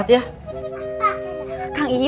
terima kasih ip